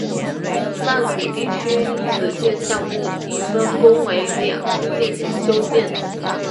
曼谷地铁紫线项目已分工为两期进行修建。